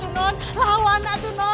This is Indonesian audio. udah gini deh